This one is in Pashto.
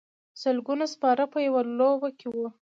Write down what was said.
سلګونه سپاره په یوه لوبه کې وي.